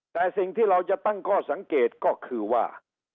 แต่สิ่งที่เราจะตั้งข้อสังเกตก็คือว่า